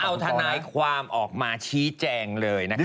เอาทนายความออกมาชี้แจงเลยนะคะ